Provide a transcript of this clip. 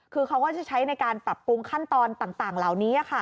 คือเขาก็จะใช้ในการปรับปรุงขั้นตอนต่างเหล่านี้